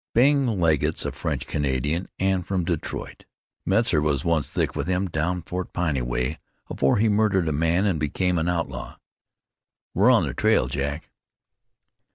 "Bing Legget's a French Canadian, an' from Detroit. Metzar was once thick with him down Fort Pitt way 'afore he murdered a man an' became an outlaw. We're on the trail, Jack."